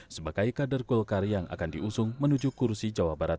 sebagai kader golkar yang akan diusung menuju kursi jawa barat